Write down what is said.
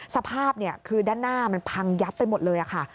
สภาพคือด้านหน้ามันพังยับไปหมดเลยค่ะ